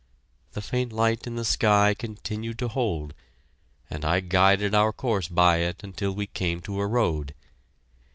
The faint light in the sky continued to hold, and I guided our course by it until we came to a road.